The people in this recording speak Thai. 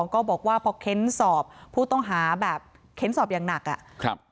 ก็บอกว่าพอเค้นสอบผู้ต้องหาแบบเค้นสอบอย่างหนักอ่ะครับ